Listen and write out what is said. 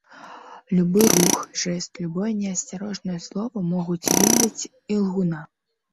Любы рух, жэст, любое неасцярожнае слова могуць выдаць ілгуна.